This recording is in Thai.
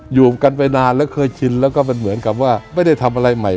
อยู่กันไปนานแล้วเคยชินแล้วก็มันเหมือนกับว่าไม่ได้ทำอะไรใหม่